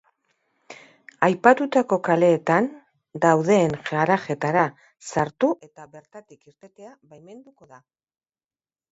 Aipatutako kaleetan dauden garajeetara sartu eta bertatik irtetea baimenduko da.